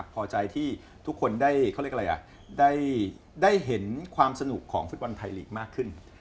พอใจที่ทุกคนได้เห็นความสนุกของฟุตบอลไทยหลีกมากขึ้น